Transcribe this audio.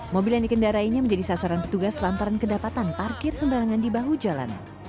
mobil yang dikendarainya menjadi sasaran petugas lantaran kedapatan parkir sembarangan di bahu jalan